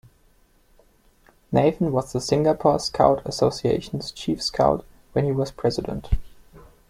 Nathan was the Singapore Scout Association's Chief Scout when he was President.